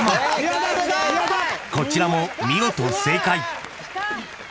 ［こちらも見事正解］